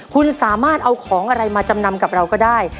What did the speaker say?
คุณสามารถเอาของอะไรมาจำนำกับเราก็ได้